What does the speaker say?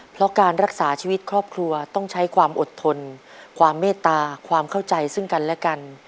เพราะการรักษาชีวิตครอบครัวต้องใช้ความอดทนความเมตตาความเข้าใจซึ่งกันและกัน